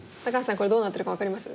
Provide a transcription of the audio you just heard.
これどうなってるか分かります？